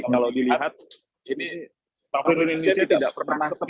kalau dilihat ini bank indonesia ini tidak pernah sepi